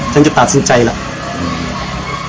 ฉันจะตัดสินใจแล้ว